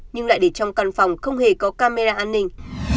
nhưng lại để trong căn phòng không hề có camera an ninh